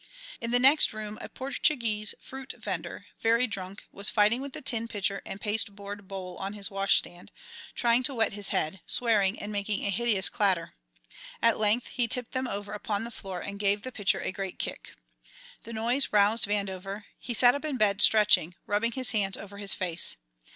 In the next room a Portuguese fruit vender, very drunk, was fighting with the tin pitcher and pasteboard bowl on his wash stand, trying to wet his head, swearing and making a hideous clatter. At length he tipped them over upon the floor and gave the pitcher a great kick. The noise roused Vandover; he sat up in bed, stretching, rubbing his hands over his face.